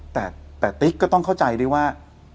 แต่ติ๊กก็ต้องเข้าใจด้วยว่า